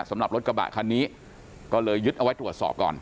สำหรับรถกระบะคันนี้ก็เลยยึดเอาไว้ตรวจสอบก่อน